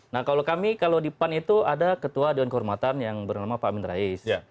nah kalau kami kalau di pan itu ada ketua dewan kehormatan yang bernama pak amin rais